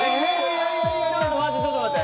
ちょっと待ってちょっと待って。